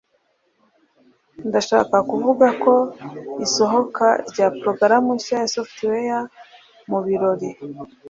ndashaka kuvuga ku isohoka rya porogaramu nshya ya software mu birori